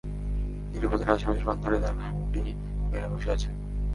গিরিপথের আশে-পাশের প্রান্তরে তারা ঘাপটি মেরে বসে আছে।